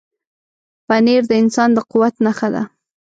پنېر د انسان د قوت نښه ده.